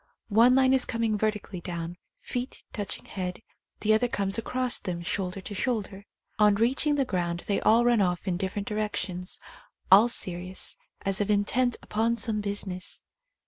One line is coming vertically down, feet touching head, the other comes across them shoulder to shoulder. On reaching the ground they all run off in different direc tions, all serious, as if intent upon some busi ness.